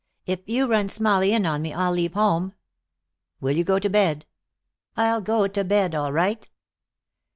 "If you run Smalley in on me I'll leave home." "Will you go to bed?" "I'll go to bed, all right."